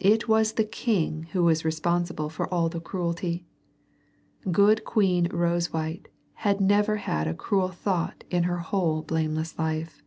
It was the king who was responsible for all the cruelty. Good Queen Rosewhite had never had a cruel thought in her whole blameless life.